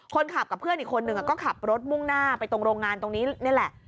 กับเพื่อนอีกคนนึงก็ขับรถมุ่งหน้าไปตรงโรงงานตรงนี้นี่แหละ